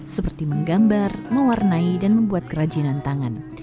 seperti menggambar mewarnai dan membuat kerajinan tangan